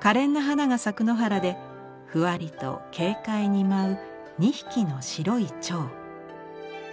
かれんな花が咲く野原でふわりと軽快に舞う２匹の白い蝶。